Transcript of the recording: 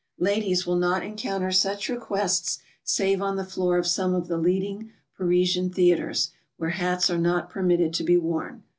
Ladies will not encounter such requests save on the floor of some of the leading Parisian theatres, where hats are not permitted to be worn.